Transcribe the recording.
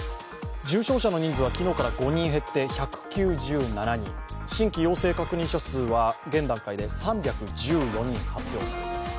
重症者の人数は昨日から５人減って１９７人新規陽性確認者数は現段階で３１人発表されています。